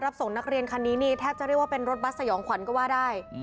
รับส่งนักเรียนคันนี้แทบจะนึกว่เป็นรถบัสสายองขวันก็ว่าได้